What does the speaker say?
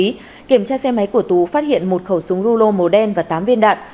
khi kiểm tra xe máy của tú phát hiện một khẩu súng rulo màu đen và tám viên đạn